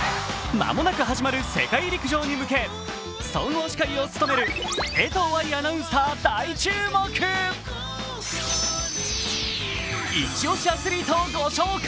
間もなく始まる世界陸上に向け総合司会を務める江藤アナウンサー大注目イチ押しアスリートをご紹介。